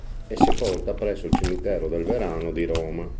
È sepolta presso il Cimitero del Verano di Roma.